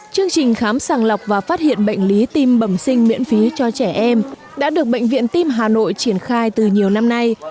chương trình khám sàng lọc và phát hiện bệnh lý tim bẩm sinh miễn phí cho trẻ em đã được bệnh viện tim hà nội triển khai từ nhiều năm nay